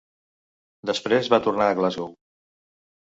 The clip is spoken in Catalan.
Després va tornar a Glasgow.